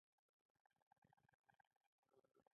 په عمومي توګه د مشخص ترکیب درلودونکي دي.